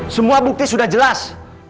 semua bukti sudah jelas